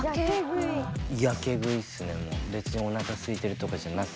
別におなかすいてるとかじゃなく。